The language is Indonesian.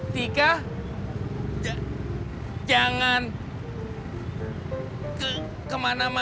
tika jangan kemana mana dulu ya